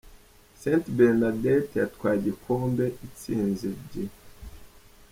St Bernadette yatwaye igikombe itsinze G.